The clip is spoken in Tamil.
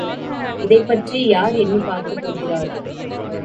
இதைப் பற்றி யார் எண்ணிப் பார்க்கப் போகிறார்கள்?